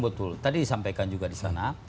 betul tadi disampaikan juga di sana